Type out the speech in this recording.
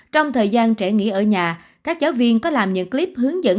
trong thời gian trẻ nghỉ ở nhà các giáo viên có làm những clip hướng dẫn